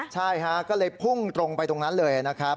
ใช่ฮะก็เลยพุ่งตรงไปตรงนั้นเลยนะครับ